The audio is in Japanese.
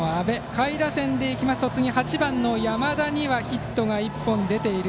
下位打線でいきますと８番の山田にはヒットが１本出ている。